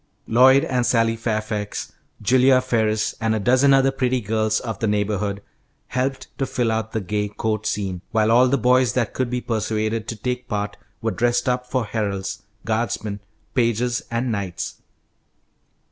Lloyd and Sally Fairfax, Julia Ferris, and a dozen other pretty girls of the neighbourhood, helped to fill out the gay court scene, while all the boys that could be persuaded to take part were dressed up for heralds, guardsmen, pages, and knights.